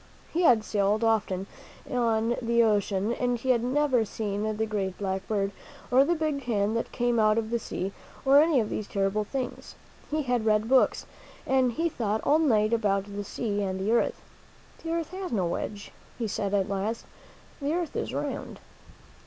He had sailed often on the ocean and he had never seen the great black bird, or the big hand that came out of the sea, or any of these terrible things. He had read books, and he thought all night about the sea and the earth. "The earth has no edge," he said at last; "the earth is round."